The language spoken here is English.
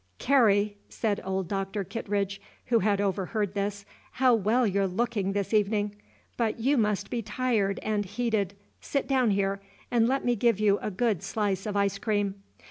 "Carrie," said old Dr. Kittredge, who had overheard this, "how well you're looking this evening! But you must be tired and heated; sit down here, and let me give you a good slice of ice cream.